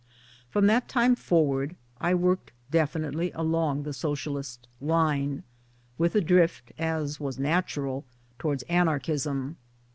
From that time forward I worked 1 definitely along the Socialist line : with a drift, as was natural, * towards Anarchism.